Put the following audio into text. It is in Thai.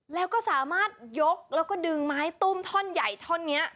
แล้วก็สามารถยกแล้วก็ดึงไม้ตุ้มท่อนใหญ่ท่อนนี้